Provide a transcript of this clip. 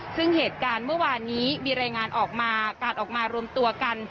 ซึ่งเหตุการณ์เมื่อวานนี้มีรายงานออกมาการออกมารวมตัวกัน